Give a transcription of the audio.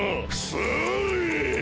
それ！